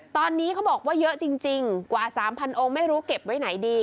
ตอนนี้เขาบอกว่าเยอะจริงกว่า๓๐๐องค์ไม่รู้เก็บไว้ไหนดี